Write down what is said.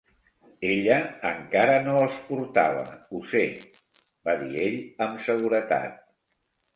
"Ella encara no els portava, ho sé", va dir ell amb seguretat.